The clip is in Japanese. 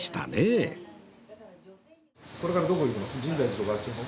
これからどこ行くの？